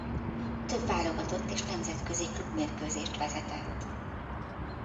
Több válogatott és nemzetközi klubmérkőzést vezetett.